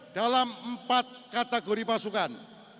dalam empat kategori pasukan